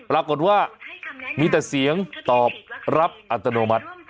ปรากฏว่ามีแต่เสียงตอบรับอัตโนมัติ